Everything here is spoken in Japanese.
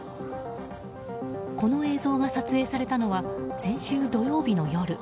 この映像が撮影されたのは先週土曜日の夜。